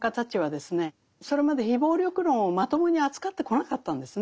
それまで非暴力論をまともに扱ってこなかったんですね。